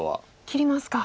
切りますか。